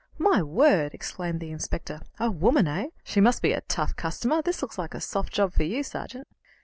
"My word!" exclaimed the inspector. "A woman, eh? She must be a tough customer. This looks like a soft job for you, sergeant."